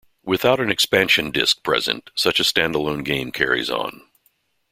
Without an expansion disk present, such a standalone game carries on.